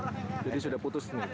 jadi sudah putus